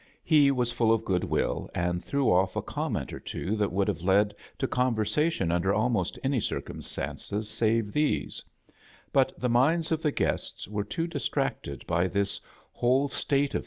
He was fuU of good will, and threw off a com jjjimv ,■'^ ment or two that would have led to con ^^ r» ' Cr versation under almost any circumstances ' save these; but the minds of the guests "'■ were too distracted by this whole state of